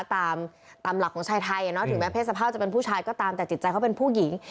ตามหลักของชายไทยถึงแม้เพศสภาพจะเป็นผู้ชายก็ตามแต่จิตใจเขาเป็นผู้หญิง